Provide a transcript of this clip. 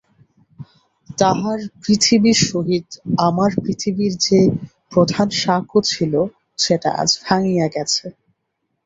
তাঁহার পৃথিবীর সহিত আমার পৃথিবীর যে প্রধান সাঁকো ছিল সেটা আজ ভাঙিয়া গেছে।